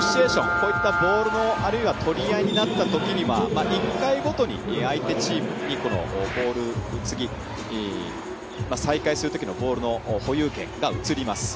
こういったボールの取り合いになったときには１回ごとに相手チームに再開するときのボールの保有権が移ります。